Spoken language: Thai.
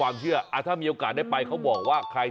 นึกมาออกมั้ย